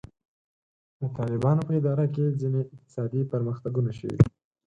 د طالبانو په اداره کې ځینې اقتصادي پرمختګونه شوي.